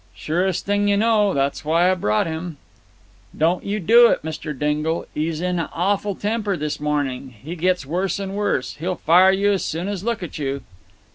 "Surest thing you know. That's why I brought him." "Don't you do it, Mr. Dingle. 'E's in an awful temper this morning—he gets worse and worse—he'll fire you as soon as look at you."